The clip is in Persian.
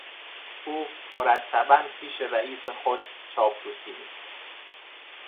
او مرتبا پیش رئیس خود چاپلوسی میکرد.